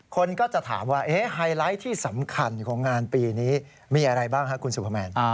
คนก็จะถามว่าไฮไลท์ที่สำคัญของงานปีนี้มีอะไรบ้างครับคุณสุภแมน